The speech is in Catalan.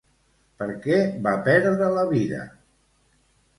Per què va perdre la vida?